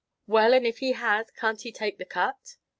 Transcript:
"Well, and if he has, can't he take the cut?"